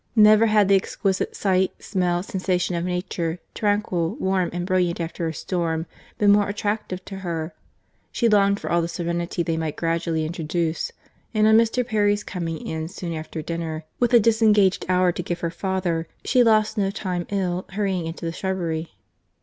Never had the exquisite sight, smell, sensation of nature, tranquil, warm, and brilliant after a storm, been more attractive to her. She longed for the serenity they might gradually introduce; and on Mr. Perry's coming in soon after dinner, with a disengaged hour to give her father, she lost no time in hurrying into the shrubbery.